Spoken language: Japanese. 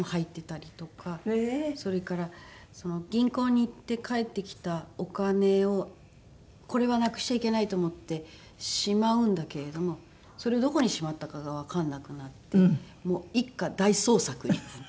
それから銀行に行って帰ってきたお金をこれはなくしちゃいけないと思ってしまうんだけれどもそれをどこにしまったかがわかんなくなってもう一家大捜索になって。